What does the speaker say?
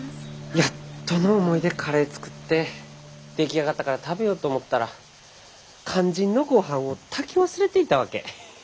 やっとの思いでカレー作って出来上がったから食べようと思ったら肝心のごはんを炊き忘れていたわけ。